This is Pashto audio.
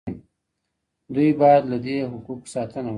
دوی باید له دې حقوقو ساتنه وکړي.